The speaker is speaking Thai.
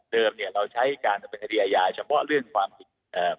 เนี่ยเราใช้การดำเนินคดีอาญาเฉพาะเรื่องความผิดเอ่อ